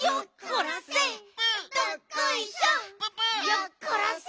よっこらせ！